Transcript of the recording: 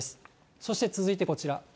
そして、続いてこちら。